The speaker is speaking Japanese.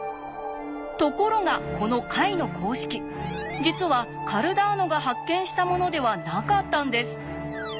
ところがこの解の公式実はカルダーノが発見したものではなかったんです。